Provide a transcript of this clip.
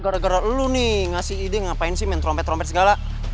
gara gara lu nih ngasih ide ngapain sih main trompet trompet segala